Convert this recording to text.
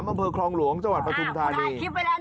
บันเวอร์คลองหลวงจวัดพระทุนทานี